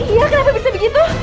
iya kenapa bisa begitu